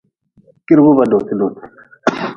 Kirgu ba dote dote.